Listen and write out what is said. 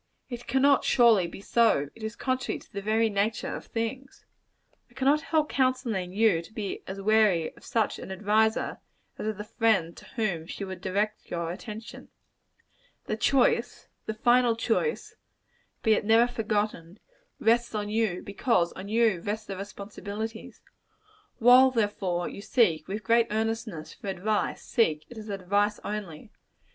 It cannot, surely, be so; it is contrary to the very nature of things. I cannot help counselling you to be as wary of such an adviser, as of the friend to whom she would direct your attention. The choice the final choice be it never forgotten, rests on you: because on you rests the responsibilities. While, therefore, you seek, with great earnestness, for advice, seek it as advice only.